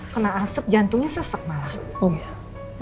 kena asap jantungnya sesek malah